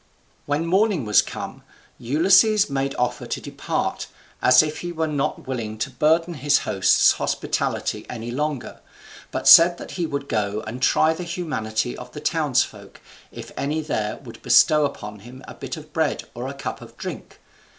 When morning was come, Ulysses made offer to depart, as if he were not willing to burden his host's hospitality any longer, but said that he would go and try the humanity of the townsfolk, if any there would bestow upon him a bit of bread or a cup of drink.